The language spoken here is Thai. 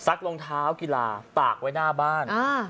ซักโรงเท้ากีฬาตากไว้หน้าบ้านอ่า